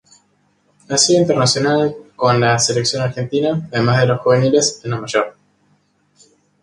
Ha sido internacional con la selección argentina, además de los juveniles, en la mayor.